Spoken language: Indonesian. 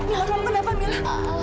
ya allah kenapa mila